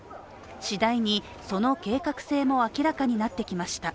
次第にその計画性も明らかになってきました。